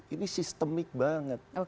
ini sistemik banget